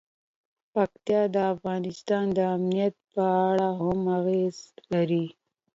پکتیا د افغانستان د امنیت په اړه هم اغېز لري.